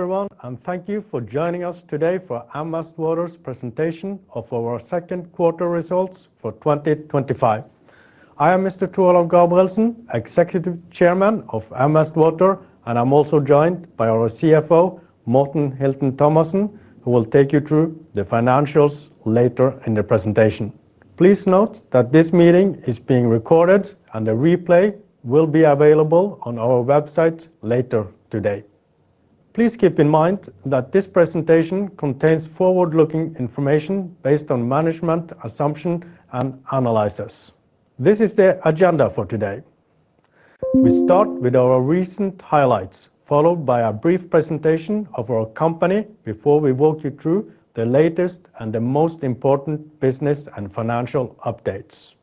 Everyone, and thank you for joining us today for M Vest Water's presentation of our second quarter results for 2025. I am Mr. Tor Olav Gabrielsen, Executive Chairman of M Vest Water, and I'm also joined by our CFO, Morten Hilton Thomassen, who will take you through the financials later in the presentation. Please note that this meeting is being recorded, and a replay will be available on our website later today. Please keep in mind that this presentation contains forward-looking information based on management assumptions and analyses. This is the agenda for today. We start with our recent highlights, followed by a brief presentation of our company before we walk you through the latest and the most important business and financial updates.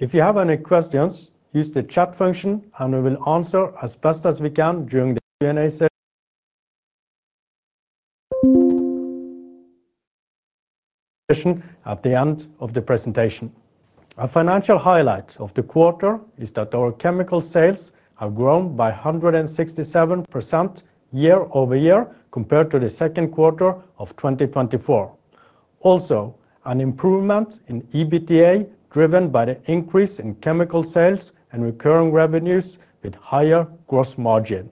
If you have any questions, use the chat function, and we will answer as fast as we can during the Q&A session at the end of the presentation. A financial highlight of the quarter is that our chemical sales have grown by 167% year-over-year compared to the second quarter of 2024. Also, an improvement in EBITDA driven by the increase in chemical sales and recurring revenues with higher gross margin.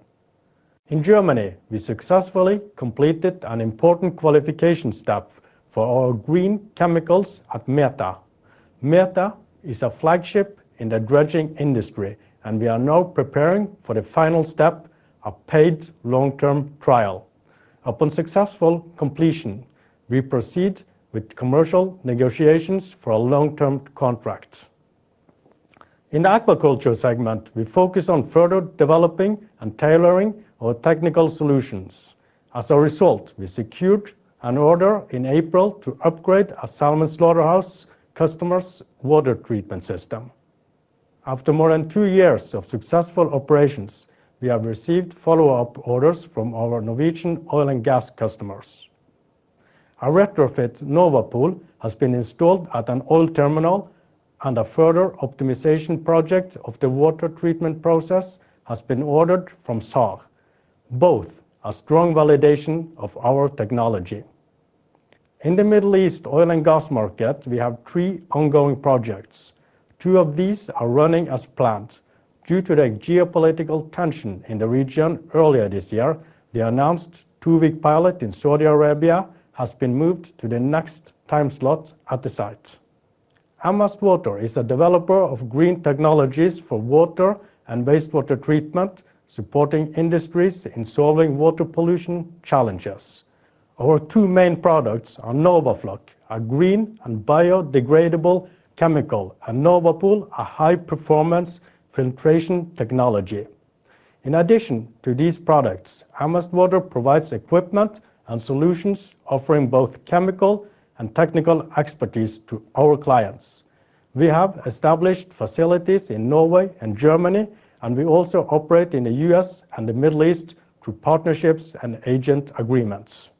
In Germany, we successfully completed an important qualification step for our green chemicals at METHA. METHA is a flagship in the dredging industry, and we are now preparing for the final step of a paid long-term trial. Upon successful completion, we proceed with commercial negotiations for a long-term contract. In the aquaculture segment, we focus on further developing and tailoring our technical solutions. As a result, we secured an order in April to upgrade our salmon slaughterhouse customers' water treatment system. After more than two years of successful operations, we have received follow-up orders from our Norwegian oil and gas customers. A retrofit NorwaPol has been installed at an oil terminal, and a further optimization project of the water treatment process has been ordered from SAR. Both are strong validations of our technology. In the Middle East oil and gas market, we have three ongoing projects. Two of these are running as planned. Due to the geopolitical tension in the region earlier this year, the announced two-week pilot in Saudi Arabia has been moved to the next time slot at the site. M Vest Water is a developer of green technologies for water and wastewater treatment, supporting industries in solving water pollution challenges. Our two main products are NORWAFLOC, a green and biodegradable chemical, and NorwaPol, a high-performance filtration technology. In addition to these products, M Vest Water provides equipment and solutions, offering both chemical and technical expertise to our clients. We have established facilities in Norway and Germany, and we also operate in the U.S. and the Middle East through partnerships and agent agreements.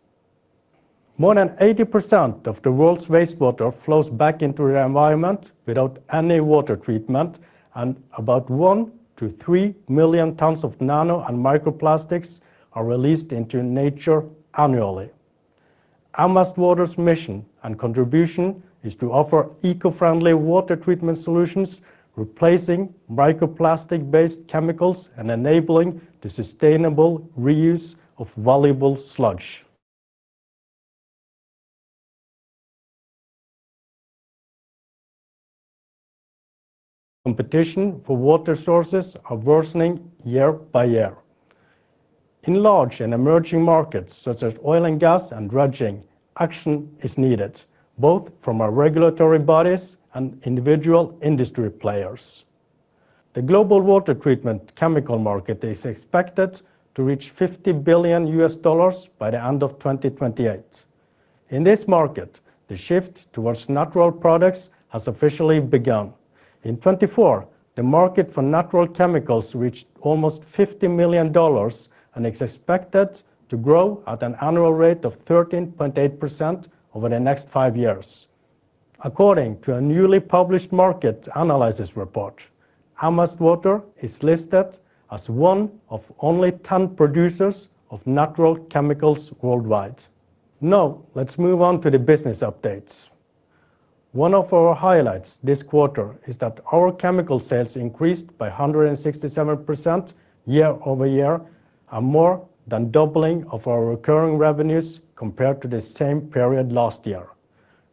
More than 80% of the world's wastewater flows back into the environment without any water treatment, and about 1 million-3 million tons of nano and microplastics are released into nature annually. M Vest Water's mission and contribution is to offer eco-friendly water treatment solutions, replacing microplastic-based chemicals, and enabling the sustainable reuse of valuable sludge. Competition for water sources is worsening year by year. In large and emerging markets such as oil and gas and dredging, action is needed, both from our regulatory bodies and individual industry players. The global water treatment chemical market is expected to reach $50 billion by the end of 2028. In this market, the shift towards natural products has officially begun. In 2024, the market for natural chemicals reached almost $50 million and is expected to grow at an annual rate of 13.8% over the next five years. According to a newly published market analysis report, M Vest Water is listed as one of only ten producers of natural chemicals worldwide. Now, let's move on to the business updates. One of our highlights this quarter is that our chemical sales increased by 167% year-over-year, a more than doubling of our recurring revenues compared to the same period last year.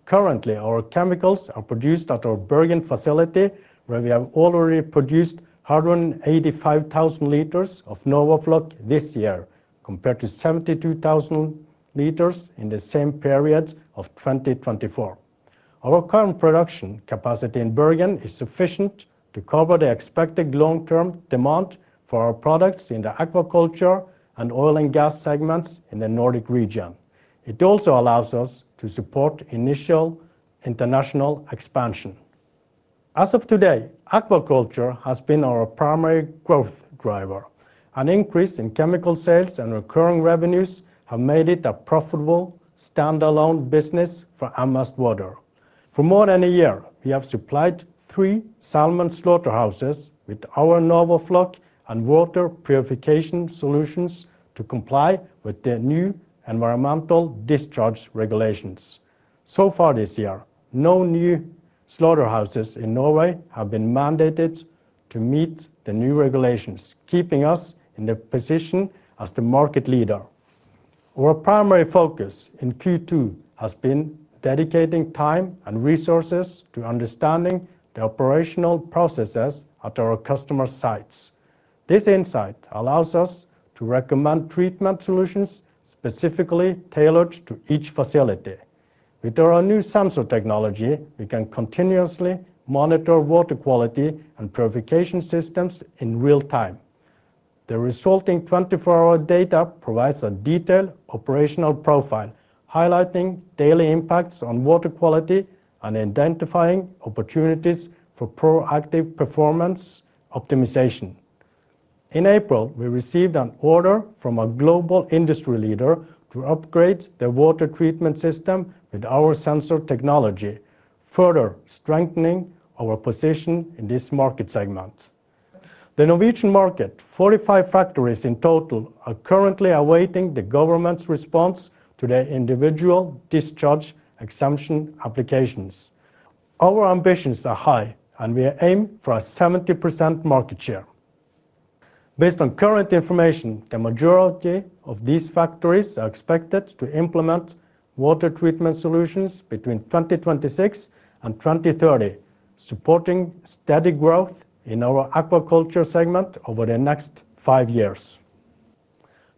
Currently, our chemicals are produced at our Bergen facility, where we have already produced 185,000 L of NORWAFLOC this year, compared to 72,000 L in the same period of 2024. Our current production capacity in Bergen is sufficient to cover the expected long-term demand for our products in the aquaculture and oil and gas segments in the Nordic region. It also allows us to support initial international expansion. As of today, aquaculture has been our primary growth driver. An increase in chemical sales and recurring revenues has made it a profitable standalone business for M Vest Water. For more than a year, we have supplied three salmon slaughterhouses with our NORWAFLOC and water purification solutions to comply with the new environmental discharge regulations. So far this year, no new waterhouses in Norway have been mandated to meet the new regulations, keeping us in the position as the market leader. Our primary focus in Q2 has been dedicating time and resources to understanding the operational processes at our customer sites. This insight allows us to recommend treatment solutions specifically tailored to each facility. With our new sensor technology, we can continuously monitor water quality and purification systems in real time. The resulting 24-hour data provides a detailed operational profile, highlighting daily impacts on water quality and identifying opportunities for proactive performance optimization. In April, we received an order from a global industry leader to upgrade the water treatment system with our sensor technology, further strengthening our position in this market segment. The Norwegian market, 45 factories in total, are currently awaiting the government's response to their individual discharge exemption applications. Our ambitions are high, and we aim for a 70% market share. Based on current information, the majority of these factories are expected to implement water treatment solutions between 2026 and 2030, supporting steady growth in our aquaculture segment over the next five years.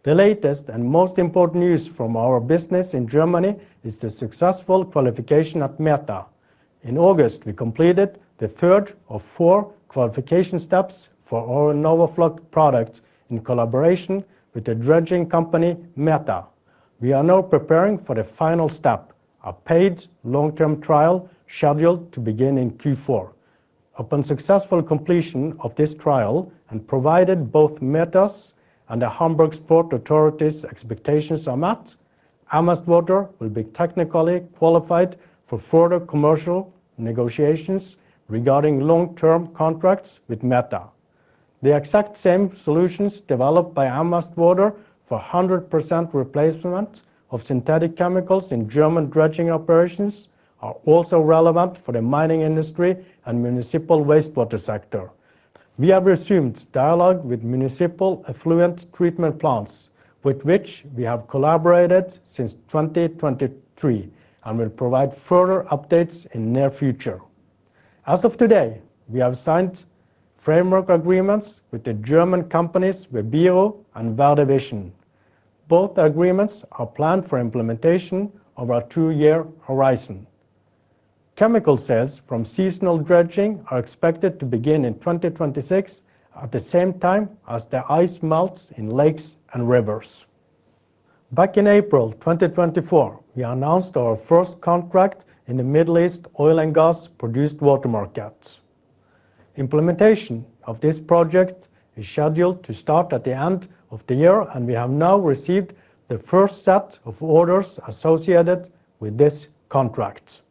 The latest and most important news from our business in Germany is the successful qualification at METHA. In August, we completed the third of four qualification steps for our NORWAFLOC products in collaboration with the dredging company METHA. We are now preparing for the final step, a paid long-term trial scheduled to begin in Q4. Upon successful completion of this trial and provided both METHA's and the Hamburg Port Authority's expectations are met, M Vest Water will be technically qualified for further commercial negotiations regarding long-term contracts with METHA. The exact same solutions developed by M Vest Water for 100% replacement of synthetic chemicals in German dredging operations are also relevant for the mining industry and municipal wastewater sector. We have resumed dialogue with municipal effluent treatment plants, with which we have collaborated since 2023, and will provide further updates in the near future. As of today, we have signed framework agreements with the German companies Vebiro and Verde Vision. Both agreements are planned for implementation over a two-year horizon. Chemical sales from seasonal dredging are expected to begin in 2026, at the same time as the ice melts in lakes and rivers. Back in April 2024, we announced our first contract in the Middle East oil and gas-produced water market. Implementation of this project is scheduled to start at the end of the year, and we have now received the first set of orders associated with this contract.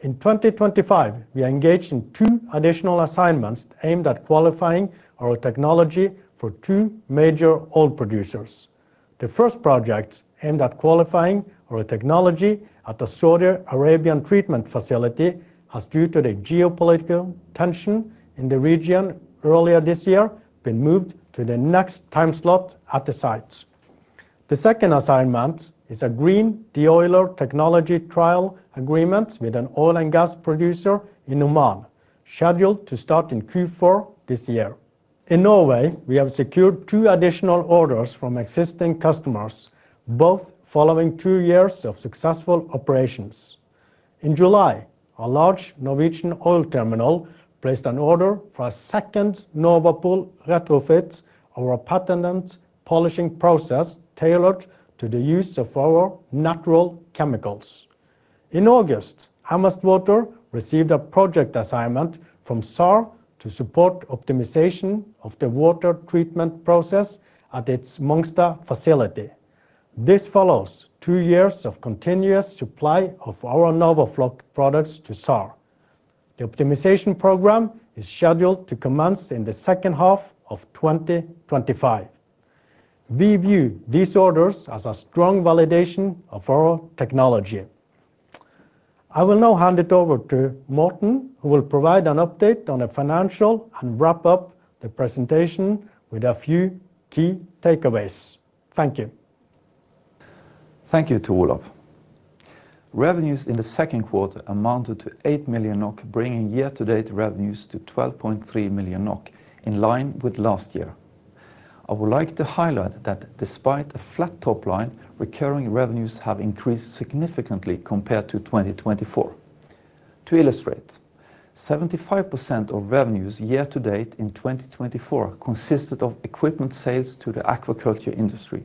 In 2025, we are engaged in two additional assignments aimed at qualifying our technology for two major oil producers. The first project aimed at qualifying our technology at the Saudi Arabian treatment facility has, due to the geopolitical tension in the region earlier this year, been moved to the next time slot at the site. The second assignment is a green deoiler technology trial agreement with an oil and gas producer in Oman, scheduled to start in Q4 this year. In Norway, we have secured two additional orders from existing customers, both following two years of successful operations. In July, a large Norwegian oil terminal placed an order for a second NorwaPol retrofit of a patented polishing process tailored to the use of our natural chemicals. In August, M Vest Water received a project assignment from SAR to support optimization of the water treatment process at its Münster facility. This follows two years of continuous supply of our NORWAFLOC products to SAR. The optimization program is scheduled to commence in the second half of 2025. We view these orders as a strong validation of our technology. I will now hand it over to Morten, who will provide an update on the financials and wrap up the presentation with a few key takeaways. Thank you. Thank you, Tor Olav. Revenues in the second quarter amounted to 8 million NOK, bringing year-to-date revenues to 12.3 million NOK, in line with last year. I would like to highlight that despite a flat topline, recurring revenues have increased significantly compared to 2024. To illustrate, 75% of revenues year to date in 2024 consisted of equipment sales to the aquaculture industry,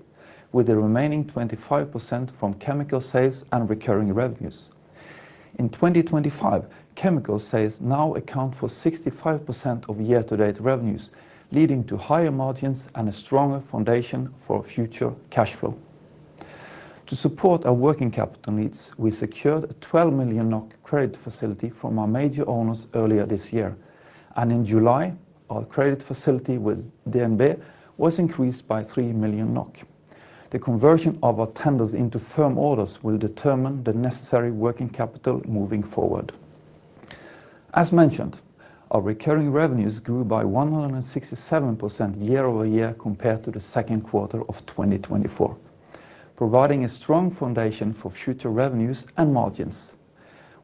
with the remaining 25% from chemical sales and recurring revenues. In 2025, chemical sales now account for 65% of year-to-date revenues, leading to higher margins and a stronger foundation for future cash flow. To support our working capital needs, we secured a 12 million NOK credit facility from our major owners earlier this year, and in July, our credit facility with DNB was increased by 3 million NOK. The conversion of our tenders into firm orders will determine the necessary working capital moving forward. As mentioned, our recurring revenues grew by 167% year-over-year compared to the second quarter of 2024, providing a strong foundation for future revenues and margins.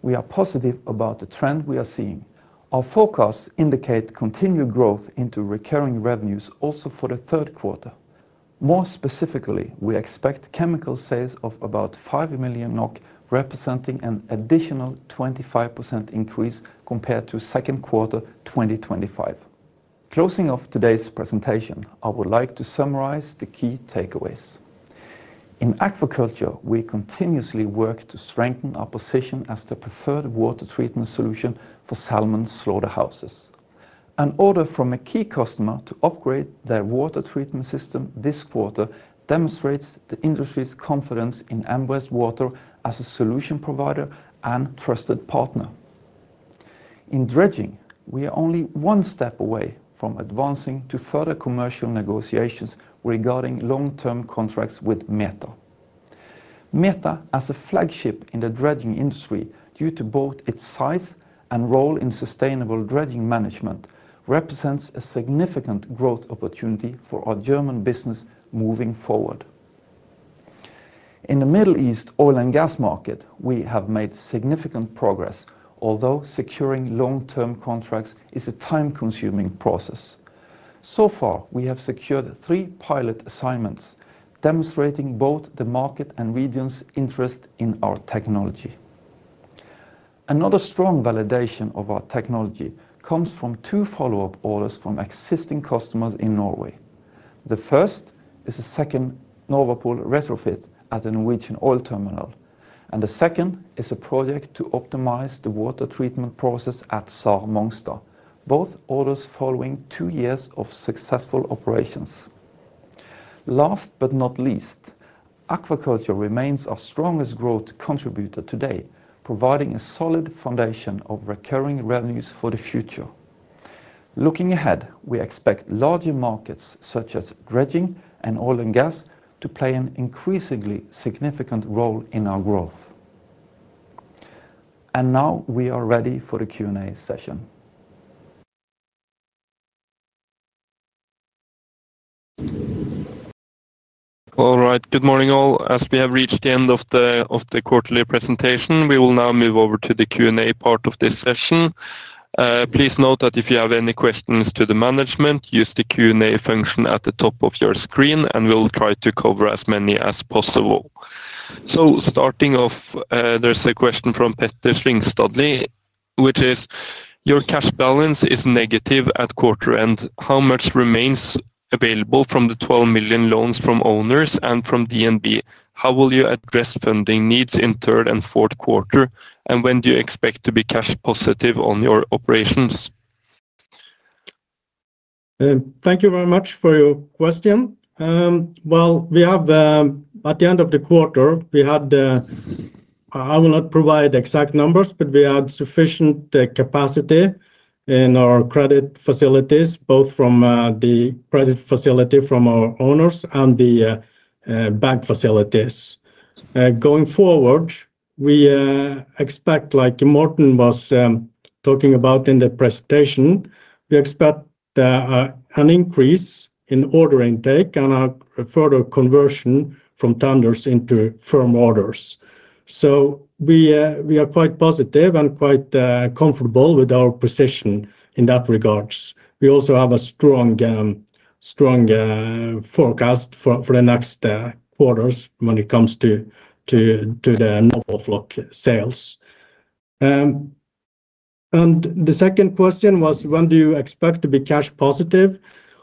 We are positive about the trend we are seeing. Our forecasts indicate continued growth into recurring revenues also for the third quarter. More specifically, we expect chemical sales of about 5 million NOK, representing an additional 25% increase compared to second quarter 2025. Closing off today's presentation, I would like to summarize the key takeaways. In aquaculture, we continuously work to strengthen our position as the preferred water treatment solution for salmon slaughterhouses. An order from a key customer to upgrade their water treatment system this quarter demonstrates the industry's confidence in M Vest Water as a solution provider and trusted partner. In dredging, we are only one step away from advancing to further commercial negotiations regarding long-term contracts with METHA. METHA, as a flagship in the dredging industry due to both its size and role in sustainable dredging management, represents a significant growth opportunity for our German business moving forward. In the Middle East oil and gas market, we have made significant progress, although securing long-term contracts is a time-consuming process. We have secured three pilot assignments, demonstrating both the market and region's interest in our technology. Another strong validation of our technology comes from two follow-up orders from existing customers in Norway. The first is a second NorwaPol retrofit at the Norwegian oil terminal, and the second is a project to optimize the water treatment process at SAR Münster, both orders following two years of successful operations. Last but not least, aquaculture remains our strongest growth contributor today, providing a solid foundation of recurring revenues for the future. Looking ahead, we expect larger markets such as dredging and oil and gas to play an increasingly significant role in our growth. We are ready for the Q&A session. All right, good morning all. As we have reached the end of the quarterly presentation, we will now move over to the Q&A part of this session. Please note that if you have any questions to the management, use the Q&A function at the top of your screen, and we'll try to cover as many as possible. Starting off, there's a question from [Peter Schlingstadt], which is: your cash balance is negative at quarter end. How much remains available from the 12 million loans from owners and from DNB? How will you address funding needs in third and fourth quarter? When do you expect to be cash positive on your operations? Thank you very much for your question. At the end of the quarter, we had sufficient capacity in our credit facilities, both from the credit facility from our owners and the bank facilities. Going forward, we expect, like Morten was talking about in the presentation, an increase in order intake and a further conversion from tenders into firm orders. We are quite positive and quite comfortable with our position in that regard. We also have a strong forecast for the next quarters when it comes to the NORWAFLOC sales. The second question was, when do you expect to be cash positive?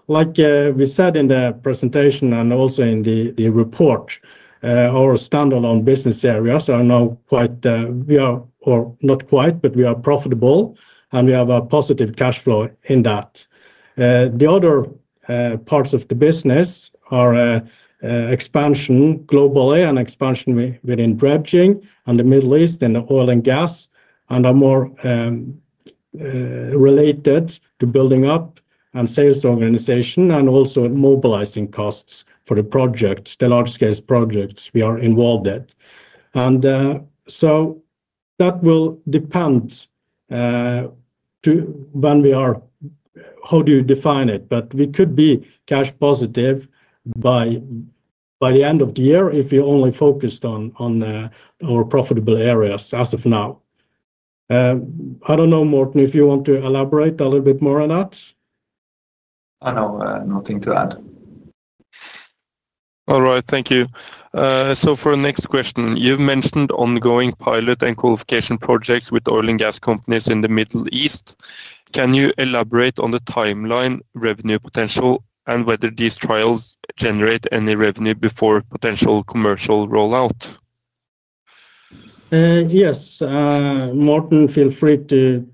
Like we said in the presentation and also in the report, our standalone business areas are now quite, we are, or not quite, but we are profitable and we have a positive cash flow in that. The other parts of the business are expansion globally and expansion within dredging and the Middle East and oil and gas, and are more related to building up and sales organization and also mobilizing costs for the projects, the large-scale projects we are involved in. That will depend on when we are, how do you define it, but we could be cash positive by the end of the year if we only focused on our profitable areas as of now. I don't know, Morten, if you want to elaborate a little bit more on that? No, nothing to add. All right, thank you. For the next question, you've mentioned ongoing pilot and qualification projects with oil and gas companies in the Middle East. Can you elaborate on the timeline, revenue potential, and whether these trials generate any revenue before potential commercial rollout? Yes, Morten, feel free to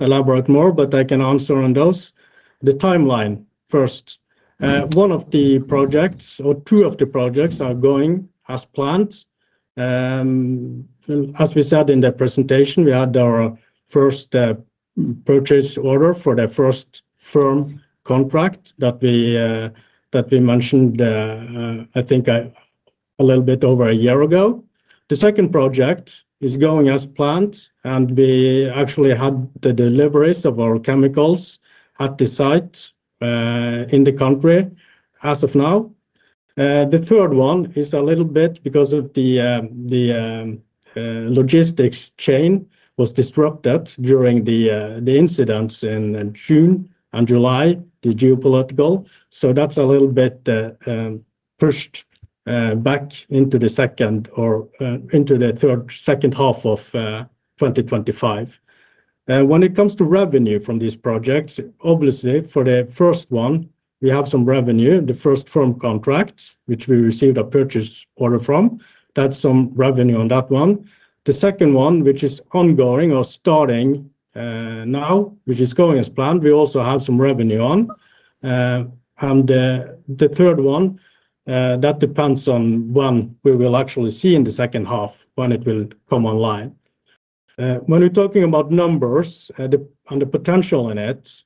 elaborate more, but I can answer on those. The timeline first. One of the projects, or two of the projects, are going as planned. As we said in the presentation, we had our first purchase order for the first firm contract that we mentioned, I think, a little bit over a year ago. The second project is going as planned, and we actually had the deliveries of our chemicals at the site in the country as of now. The third one is a little bit because the logistics chain was disrupted during the incidents in June and July, the geopolitical. That's a little bit pushed back into the second or into the third, second half of 2025. When it comes to revenue from these projects, obviously, for the first one, we have some revenue, the first firm contract, which we received a purchase order from. That's some revenue on that one. The second one, which is ongoing or starting now, which is going as planned, we also have some revenue on. The third one, that depends on when we will actually see in the second half, when it will come online. When we're talking about numbers and the potential in it,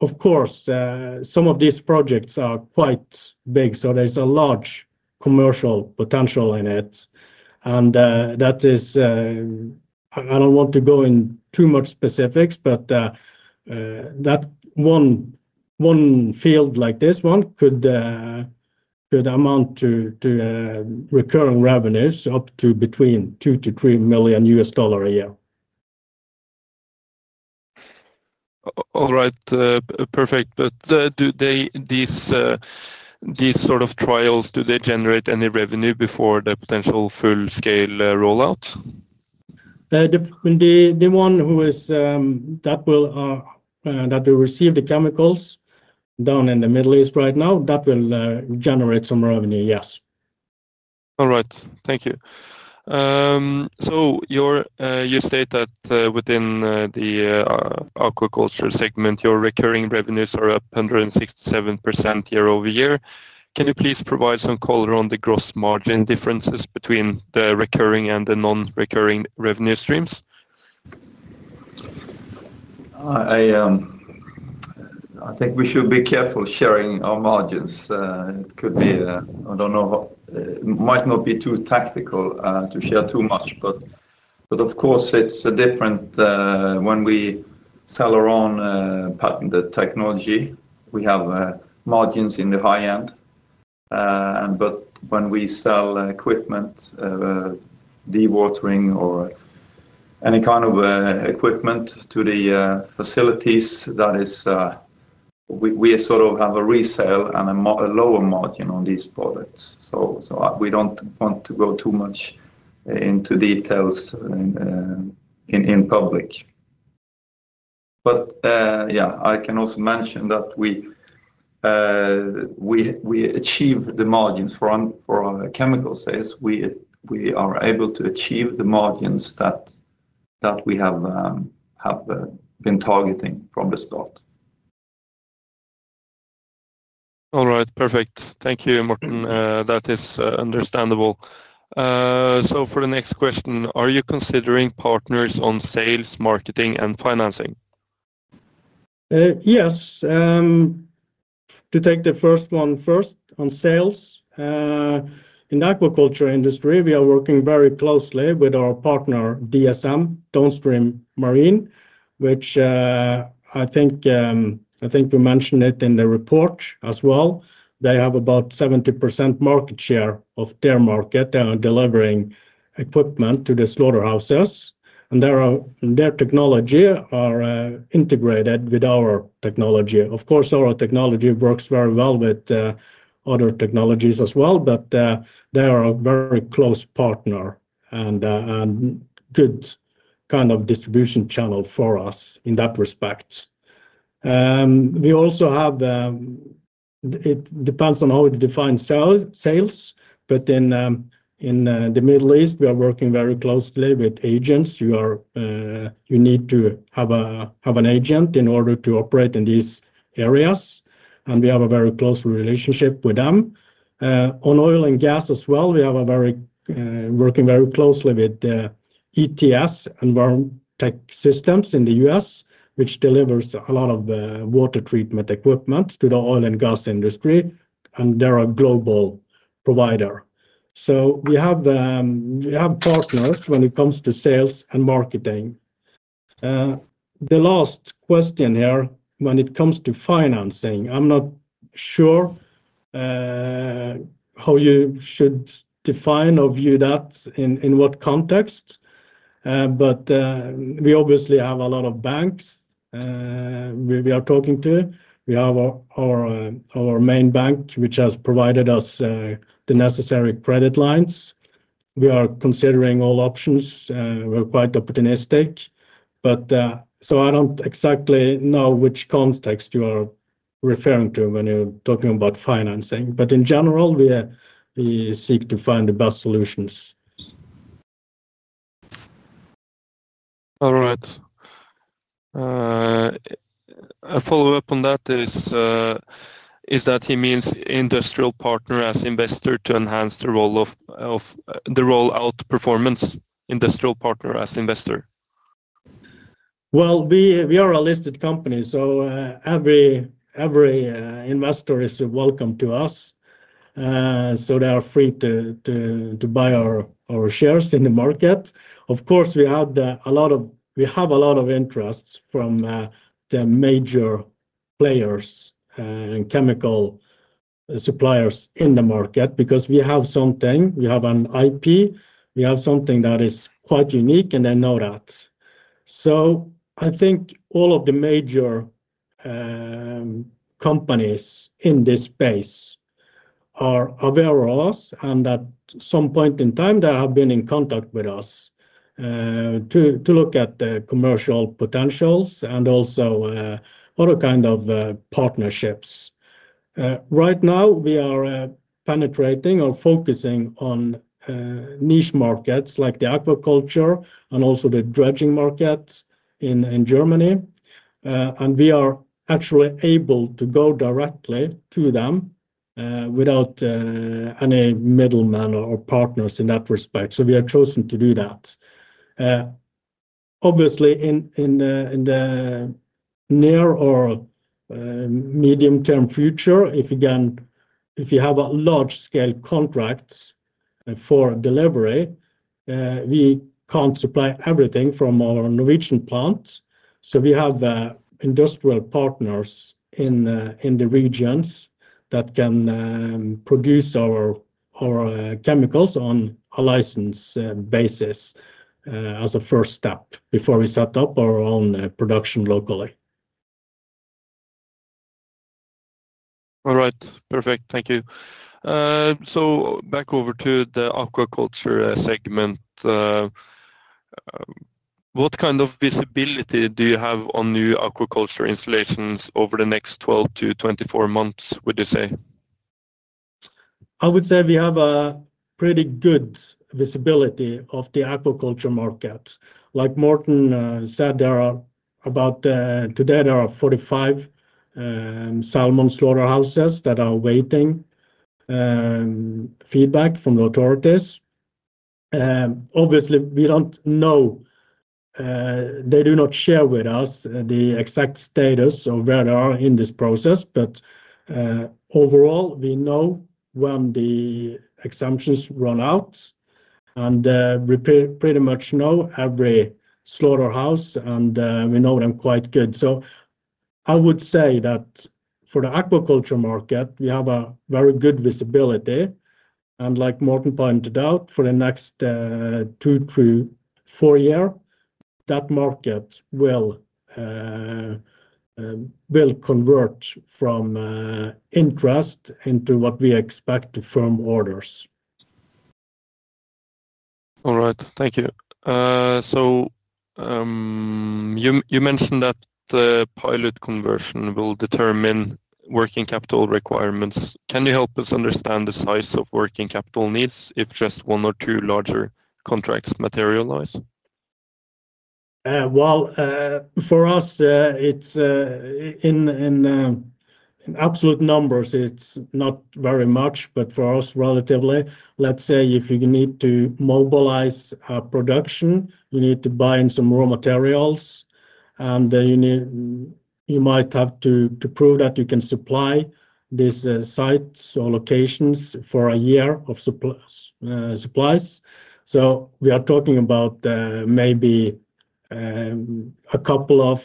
of course, some of these projects are quite big, so there's a large commercial potential in it. That is, I don't want to go into too much specifics, but that one field like this one could amount to recurring revenues up to between $2 million-$3 million a year. All right, perfect. Do these sort of trials, do they generate any revenue before the potential full-scale rollout? The one that will receive the chemicals down in the Middle East right now will generate some revenue, yes. All right, thank you. You state that within the aquaculture segment, your recurring revenues are up 167% year-over-year. Can you please provide some color on the gross margin differences between the recurring and the non-recurring revenue streams? I think we should be careful sharing our margins. It could be, I don't know, it might not be too tactical to share too much, but of course, it's different when we sell our own patented technology. We have margins in the high end. When we sell equipment, dewatering, or any kind of equipment to the facilities, that is, we sort of have a resale and a lower margin on these products. We don't want to go too much into details in public. I can also mention that we achieve the margins for our chemical sales. We are able to achieve the margins that we have been targeting from the start. All right, perfect. Thank you, Morten. That is understandable. For the next question, are you considering partners on sales, marketing, and financing? Yes. To take the first one first on sales, in the aquaculture industry, we are working very closely with our partner Downstream Marine, which I think we mentioned in the report as well. They have about 70% market share of their market. They are delivering equipment to the slaughterhouses, and their technology is integrated with our technology. Of course, our technology works very well with other technologies as well, but they are a very close partner and a good kind of distribution channel for us in that respect. We also have, it depends on how you define sales, but in the Middle East, we are working very closely with agents. You need to have an agent in order to operate in these areas, and we have a very close relationship with them. On oil and gas as well, we are working very closely with ETS, Enviro-Tech Systems, in the U.S., which delivers a lot of water treatment equipment to the oil and gas industry, and they're a global provider. We have partners when it comes to sales and marketing. The last question here, when it comes to financing, I'm not sure how you should define or view that in what context, but we obviously have a lot of banks we are talking to. We have our main bank, which has provided us the necessary credit lines. We are considering all options. We're quite optimistic, but I don't exactly know which context you are referring to when you're talking about financing. In general, we seek to find the best solutions. All right. A follow-up on that is that he means industrial partner as investor to enhance the roll-out performance, industrial partner as investor. We are a listed company, so every investor is welcome to us. They are free to buy our shares in the market. Of course, we have a lot of interest from the major players and chemical suppliers in the market because we have something, we have an IP, we have something that is quite unique, and they know that. I think all of the major companies in this space are aware of us and that at some point in time they have been in contact with us to look at the commercial potentials and also other kinds of partnerships. Right now, we are penetrating or focusing on niche markets like the aquaculture and also the dredging markets in Germany, and we are actually able to go directly to them without any middlemen or partners in that respect. We have chosen to do that. Obviously, in the near or medium-term future, if you have a large-scale contract for delivery, we can't supply everything from our Norwegian plants. We have industrial partners in the regions that can produce our chemicals on a licensed basis as a first step before we set up our own production locally. All right, perfect. Thank you. Back over to the aquaculture segment, what kind of visibility do you have on new aquaculture installations over the next 12-24 months, would you say? I would say we have a pretty good visibility of the aquaculture market. Like Morten said, there are about, today, there are 45 salmon slaughterhouses that are awaiting feedback from the authorities. Obviously, we don't know, they do not share with us the exact status of where they are in this process, but overall, we know when the exemptions run out, and we pretty much know every slaughterhouse, and we know them quite good. I would say that for the aquaculture market, we have a very good visibility, and like Morten pointed out, for the next two to four years, that market will convert from interest into what we expect to be firm orders. All right, thank you. You mentioned that the pilot conversion will determine working capital requirements. Can you help us understand the size of working capital needs if just one or two larger contracts materialize? For us, it's in absolute numbers, it's not very much, but for us, relatively, let's say if you need to mobilize production, you need to buy in some raw materials, and you might have to prove that you can supply these sites or locations for a year of supplies. We are talking about maybe a couple of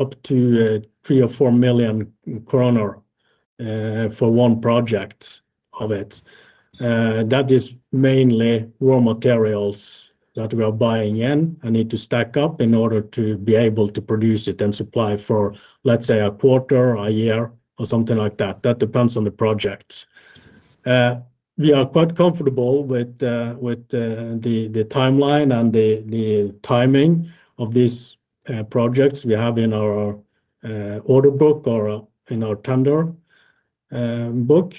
up to 3 million or 4 million kroner for one project of it. That is mainly raw materials that we are buying in and need to stack up in order to be able to produce it and supply for, let's say, a quarter, a year, or something like that. That depends on the project. We are quite comfortable with the timeline and the timing of these projects we have in our order book or in our tender book.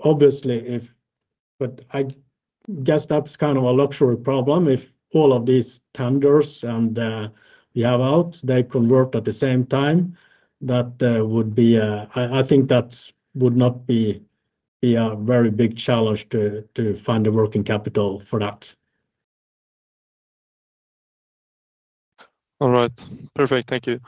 Obviously, I guess that's kind of a luxury problem. If all of these tenders we have out convert at the same time, that would be, I think that would not be a very big challenge to find the working capital for that. All right, perfect. Thank you.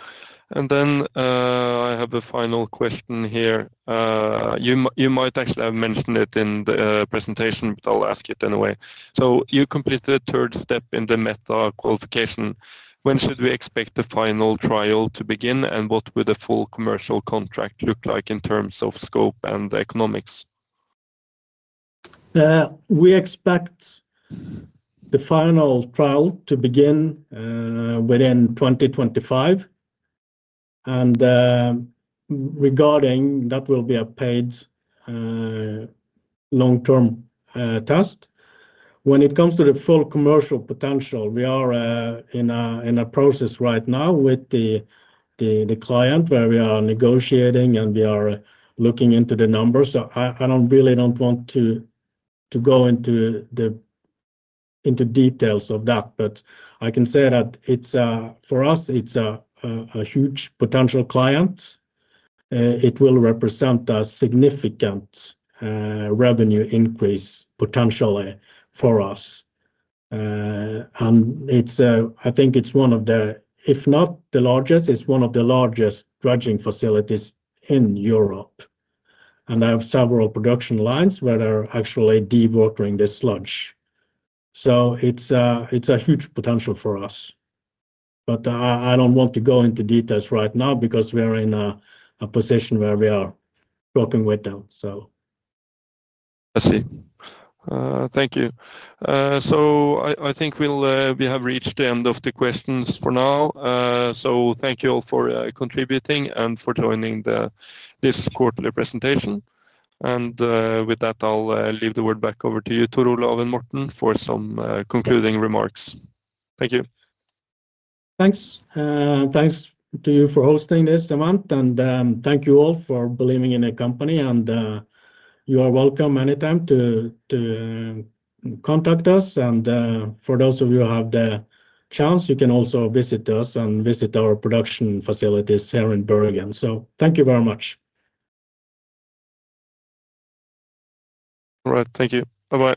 I have a final question here. You might actually have mentioned it in the presentation, but I'll ask it anyway. You completed a third step in the METHA qualification. When should we expect the final trial to begin, and what would a full commercial contract look like in terms of scope and economics? We expect the final trial to begin within 2025, and regarding that, it will be a paid long-term test. When it comes to the full commercial potential, we are in a process right now with the client where we are negotiating, and we are looking into the numbers. I really don't want to go into the details of that, but I can say that for us, it's a huge potential client. It will represent a significant revenue increase potentially for us. I think it's one of the, if not the largest, it's one of the largest dredging facilities in Europe. They have several production lines where they're actually dewatering the sludge. It's a huge potential for us. I don't want to go into details right now because we are in a position where we are working with them. I see. Thank you. I think we have reached the end of the questions for now. Thank you all for contributing and for joining this quarterly presentation. With that, I'll leave the word back over to you, Tor Olav and Morten, for some concluding remarks. Thank you. Thanks. Thank you for hosting this event, and thank you all for believing in the company. You are welcome anytime to contact us. For those of you who have the chance, you can also visit us and visit our production facilities here in Bergen. Thank you very much. All right, thank you. Bye-bye.